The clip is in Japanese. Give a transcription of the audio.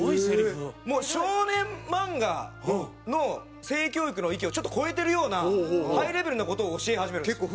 もう少年漫画の性教育の域をちょっと超えてるようなハイレベルな事を教え始めるんです。